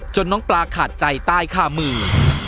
จนน้องปลาขาดใจใต้ค่ามือ